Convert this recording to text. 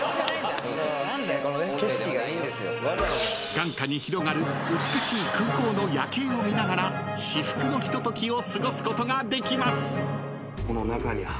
［眼下に広がる美しい空港の夜景を見ながら至福のひとときを過ごすことができます］